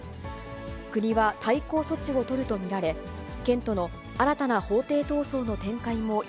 国は対抗措置を取ると見られ、県との新たな法廷闘争の展開も予